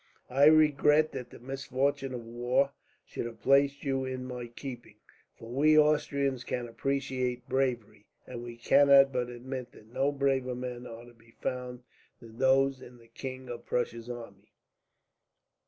I regret that the misfortune of war should have placed you in my keeping; for we Austrians can appreciate bravery, and we cannot but admit that no braver men are to be found than those in the King of Prussia's army.